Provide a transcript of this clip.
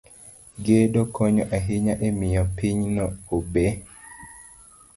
Gedo konyo ahinya e miyo piny obe